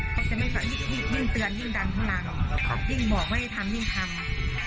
เขาจะยิ่งเตือนยิ่งดันทุกรังยิ่งบอกว่าให้ทำยิ่งทำ